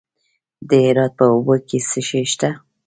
د هرات په اوبې کې څه شی شته؟